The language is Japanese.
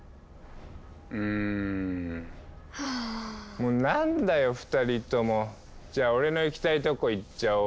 もう何だよ２人とも。じゃあ俺の行きたいとこ行っちゃおう。